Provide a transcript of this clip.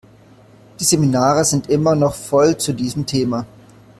Die Seminare sind immer noch voll zu diesem Thema.